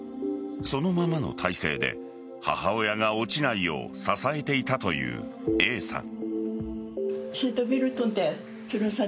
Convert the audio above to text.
そのままの体勢で母親が落ちないよう支えていたというＡさん。